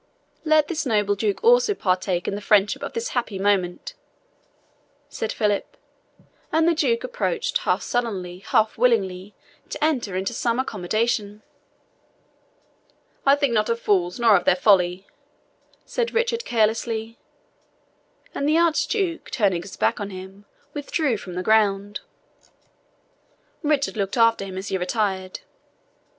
"Let this noble Duke also partake in the friendship of this happy moment," said Philip; and the Duke approached half sullenly, half willing to enter into some accommodation. "I think not of fools, nor of their folly," said Richard carelessly; and the Archduke, turning his back on him, withdrew from the ground. Richard looked after him as he retired.